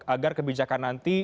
agar kebijakan nanti